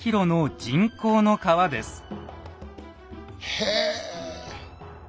へえ！